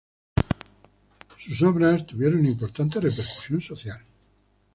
Sus obras tuvieron importante repercusión social.